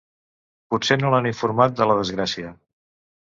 Potser no l'han informat de la desgràcia.